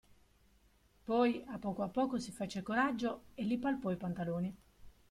Poi a poco a poco si fece coraggio e gli palpò i pantaloni.